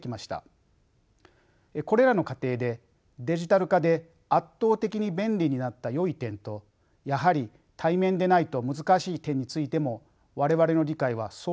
これらの過程でデジタル化で圧倒的に便利になったよい点とやはり対面でないと難しい点についても我々の理解は相当進んだと思います。